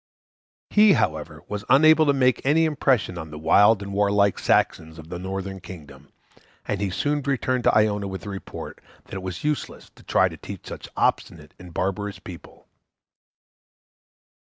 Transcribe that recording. He, however, was unable to make any impression on the wild and warlike Saxons of the northern kingdom, and he soon returned to Iona with the report that it was useless to try to teach such obstinate and barbarous people.